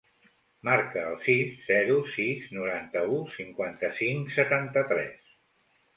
Marca el sis, zero, sis, noranta-u, cinquanta-cinc, setanta-tres.